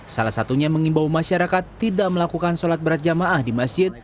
salah satunya mengimbau masyarakat tidak melakukan sholat berat jamaah di masjid